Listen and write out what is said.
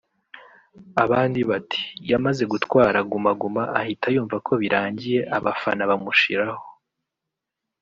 abandi bati yamaze gutwara guma guma ahita yumva ko birangiye abafana bamushiraho